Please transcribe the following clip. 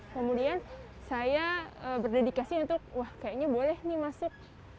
kemudian saya berdedikasi untuk wah kayaknya boleh nih masuk